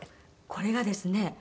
これがですね